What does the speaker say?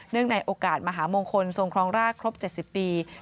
เนื่องในโอกาสมหาโมงคลทรงครองรากครบ๗๐ปี